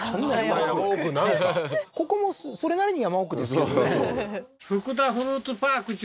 ここもそれなりに山奥ですけどね